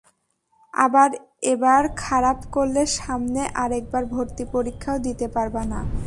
আবার এবার খারাপ করলে সামনে আরেকবার ভর্তি পরীক্ষাও দিতে পারব না।